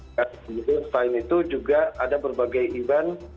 dan di lintas lain itu juga ada berbagai event